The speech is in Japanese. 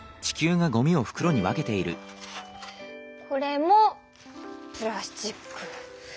これもプラスチック。